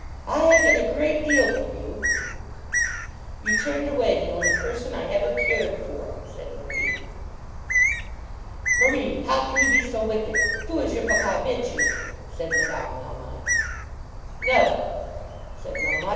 I have done a great deal for you." "You turned away the only person I ever cared for," said Marie. "Marie, how can you be so wicked? Do as your papa bids you," said Madame Melmotte. "No!" said Melmotte.